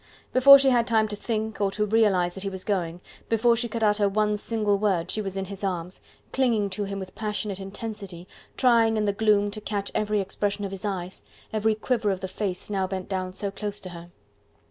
Before she had time to think, or to realize that he was going, before she could utter one single word, she was in his arms, clinging to him with passionate intensity, trying in the gloom to catch every expression of his eyes, every quiver of the face now bent down so close to her.